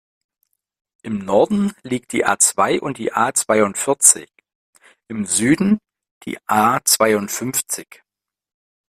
Im Norden liegen die A-zwei und die A-zweiundvierzig, im Süden die A-zweiundfünfzig.